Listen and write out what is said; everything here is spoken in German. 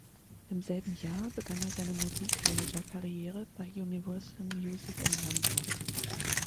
Im selben Jahr begann er seine Musikmanager Karriere bei Universal Music in Hamburg.